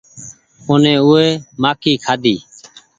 او ني او وي مآڪي کآڍي ۔